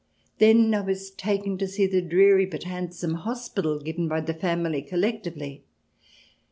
Then I was taken to see the dreary but handsome hospital given by the family collec tively.